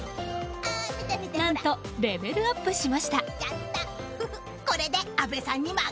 何と、レベルアップしました。